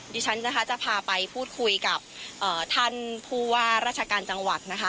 ดิฉันนะคะจะพาไปพูดคุยกับท่านผู้ว่าราชการจังหวัดนะคะ